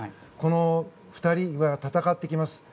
この２人が戦っていきます。